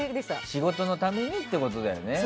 仕事のためにってことだよね。